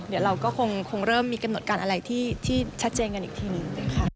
เดี๋ยวเราก็คงเริ่มมีกำหนดการอะไรที่ชัดเจนกันอีกทีหนึ่งค่ะ